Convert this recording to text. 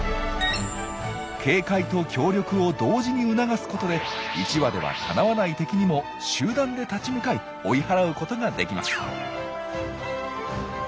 警戒と協力を同時に促すことで１羽ではかなわない敵にも集団で立ち向かい追い払うことができます。